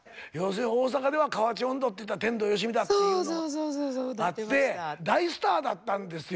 大阪では河内音頭っていったら天童よしみだっていうのあって大スターだったんですよ。